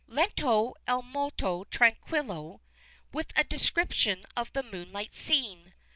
Lento e molto tranquillo, ... with a description of the moonlit scene.